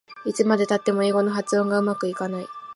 いつまでたっても英語の発音がうまくいかない